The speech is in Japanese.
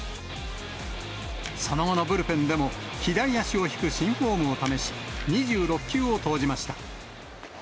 その後のブルペンでも、左足を引く新フォームを試し、２６球を投じました。